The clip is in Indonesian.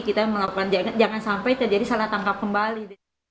kita melakukan jangan sampai terjadi salah tangkap kembali